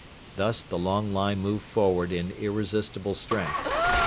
Thus the long line moved forward in irresistible strength.